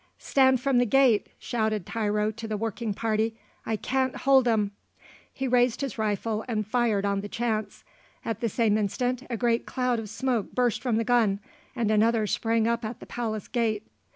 "Stand from the gate," shouted Tiro to the working party; "I can't hold 'em!" He raised his rifle and fired on the chance. At the same instant a great cloud of smoke burst from the gun and another sprang up at the palace gate.